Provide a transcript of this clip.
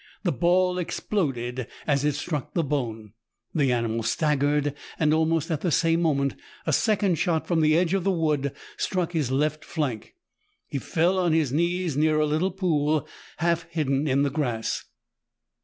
The ball exploded as it struck the bone. The animal staggered, and almost at the same moment a second shot from the edge of the wood struck his left flank. He fell on his knees near a little pool, half hidden in the grass.